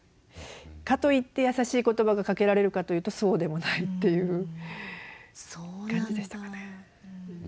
かといって優しい言葉がかけられるかというとそうでもないっていう感じでしたかね。